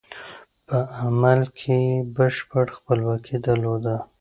په عمل کې یې بشپړه خپلواکي درلوده.